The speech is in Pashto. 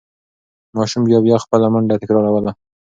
ماشوم بیا بیا خپله منډه تکراروله.